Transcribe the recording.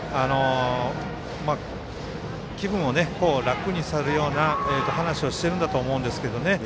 気分を楽にするような話をしてるんだと思うんですけど。